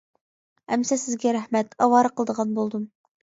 ئەمىسە سىزگە رەھمەت، ئاۋارە قىلىدىغان بولدۇم.